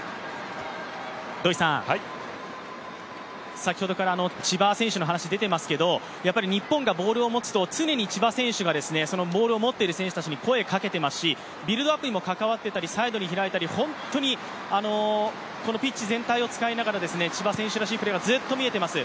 先ほどから千葉選手の話出ていますけれども、日本がボールを持つと、常に千葉選手がボールを持っている選手に声をかけていますし、ビルドアップにも関わっていたりサイドに開いたり、本当にこのピッチ全体を使いながら、千葉選手らしいプレーがずっと見えています。